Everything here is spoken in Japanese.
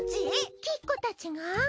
きっこたちが？